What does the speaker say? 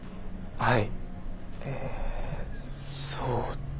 はい。